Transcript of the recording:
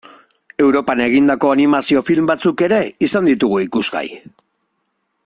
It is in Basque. Europan egindako animazio film batzuk ere izan ditugu ikusgai.